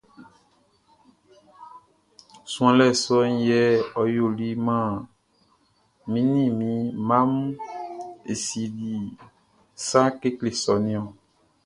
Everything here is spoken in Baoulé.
Suanlɛ sɔʼn yɛ ɔ yoli maan mi ni mi mma mun e sinnin sa kekle sɔʼn nun ɔn.